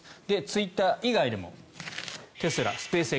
ツイッター以外でもテスラ、スペースＸ。